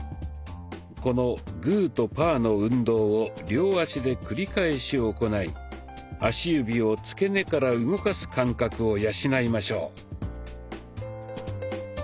このグーとパーの運動を両足で繰り返し行い足指をつけ根から動かす感覚を養いましょう。